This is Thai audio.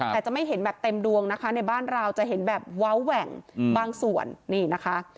แต่จะไม่เห็นแบบเต็มดวงนะคะในบ้านเราจะเห็นแบบเว้าแหว่งบางส่วนนี่นะคะ